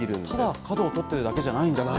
ただ角を取ってるだけじゃないんだ。